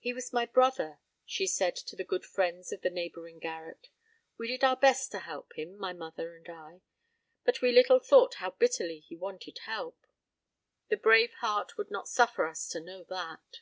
"He was my brother," she said to the good friends of the neighbouring garret. "We did our best to help him, my mother and I; but we little thought how bitterly he wanted help. The brave heart would not suffer us to know that."